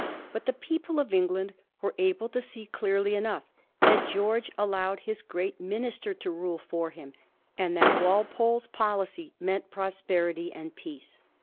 But the people of England were able to see clearly enough that Greorge allowed his great minister to rule for him, and that Walpole's policy meant prosperity and peace.